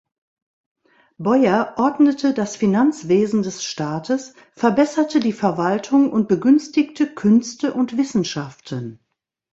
Boyer ordnete das Finanzwesen des Staates, verbesserte die Verwaltung und begünstigte Künste und Wissenschaften.